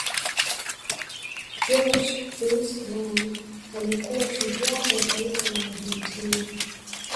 jose luis brown alikuwa shujaa wa taifa la argentina